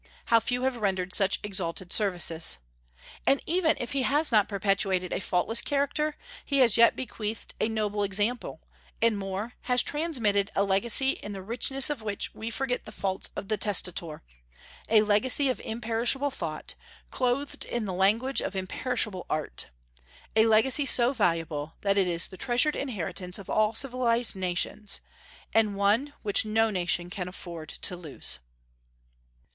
How few have rendered such exalted services! And even if he has not perpetuated a faultless character, he has yet bequeathed a noble example; and, more, has transmitted a legacy in the richness of which we forget the faults of the testator, a legacy of imperishable thought, clothed in the language of imperishable art, a legacy so valuable that it is the treasured inheritance of all civilized nations, and one which no nation can afford to lose.